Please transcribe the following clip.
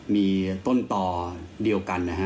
มีต้นต่อเดียวกันนะฮะ